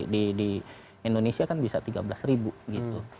di indonesia kan bisa tiga belas ribu gitu